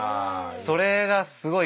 それがすごい